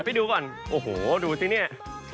ไปดูก่อนโอ้โหดูสิเนี่ย